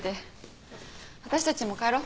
私たちも帰ろう。